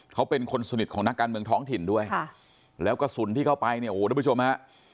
เขาเป็นคนสนิทของนักการเมืองท้องถิ่นด้วยค่ะแล้วกระสุนที่เข้าไปเนี่ยโอ้โหทุกผู้ชมฮะ